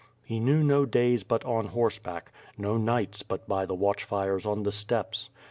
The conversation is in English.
He kifew no days but on horseback, no nights but by the watch fires on the steppes.